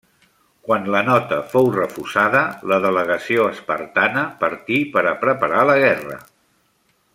Quan la nota fou refusada, la delegació espartana partí per a preparar la guerra.